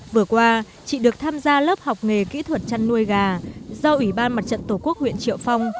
vừa qua chị được tham gia lớp học nghề kỹ thuật chăn nuôi gà do ủy ban mặt trận tổ quốc huyện triệu phong